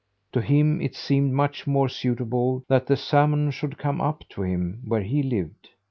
To him it seemed much more suitable that the salmon should come up to him, where he lived.